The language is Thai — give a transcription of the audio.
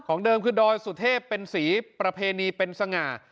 เดิมคือดอยสุเทพเป็นสีประเพณีเป็นสง่า